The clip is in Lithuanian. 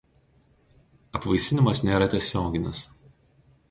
Apvaisinimas nėra tiesioginis.